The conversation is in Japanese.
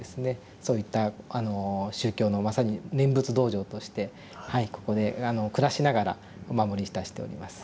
そういったあの宗教のまさに念仏道場としてはいここで暮らしながらお守りいたしております。